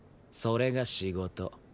それが仕事。